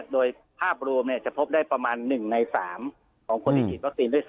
โดยภาพรวมจะพบได้ประมาณ๑ใน๓ของคนที่ฉีดวัคซีนด้วยซ้ำ